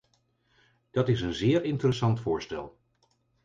Dat is een zeer interessant voorstel.